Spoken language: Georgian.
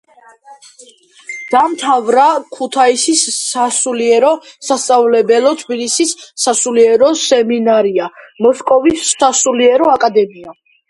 დაამთავრა ქუთაისის სასულიერო სასწავლებელი, თბილისის სასულიერო სემინარია, მოსკოვის სასულიერი აკადემია.